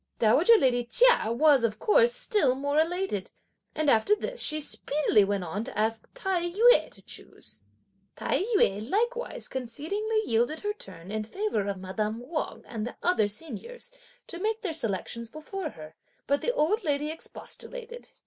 Dowager lady Chia was, of course, still more elated. And after this she speedily went on to ask Tai yü to choose. Tai yü likewise concedingly yielded her turn in favour of madame Wang and the other seniors, to make their selections before her, but the old lady expostulated.